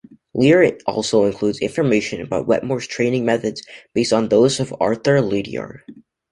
Lear also includes information about Wetmore's training methods, based on those of Arthur Lydiard.